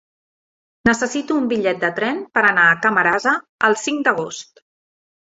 Necessito un bitllet de tren per anar a Camarasa el cinc d'agost.